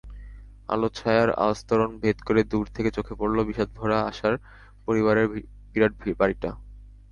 আলোছায়ার আস্তরণ ভেদ করে দূর থেকে চোখে পড়ল বিষাদভরা আশার পরিবারের বিরাট বাড়িটা।